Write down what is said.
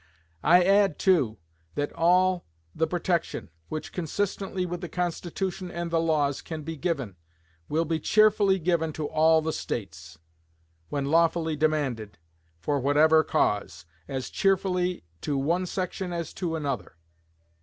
I add, too, that all the protection which, consistently with the Constitution and the laws, can be given, will be cheerfully given to all the States, when lawfully demanded, for whatever cause as cheerfully to one section as to another....